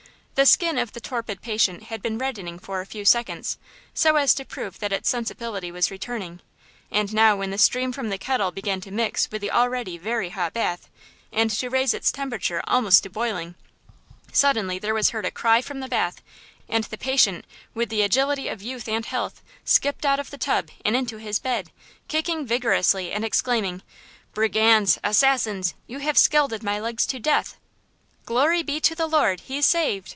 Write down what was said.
The skin of the torpid patient had been reddening for a few seconds, so as to prove that its sensibility was returning, and now when the stream from the kettle began to mix with the already very hot bath, and to raise its temperature almost to boiling, suddenly there was heard a cry from the bath, and the patient, with the agility of youth and health, skipped out of the tub and into his bed, kicking vigorously and exclaiming: "Brigands! Assassins! You have scalded my legs to death!" "Glory be to the Lord, he's saved!"